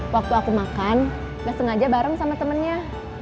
waktu aku makan gak sengaja bareng sama temennya